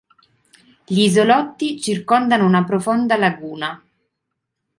Gli isolotti circondano una profonda laguna.